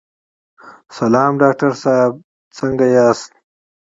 سلام ډاکټر صاحب، څنګه یاست؟